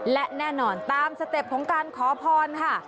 และแน่นอนตามสเต็ปของการขอพรค่ะ